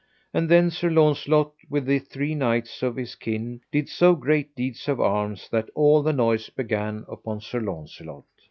And then Sir Launcelot with the three knights of his kin did so great deeds of arms that all the noise began upon Sir Launcelot.